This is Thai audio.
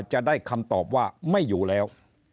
จะได้คำตอบว่าไม่อยู่แล้ว